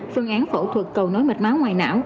phương án phẫu thuật cầu nối mạch máu ngoài não